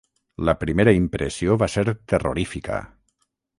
La primera impressió va ser terrorífica.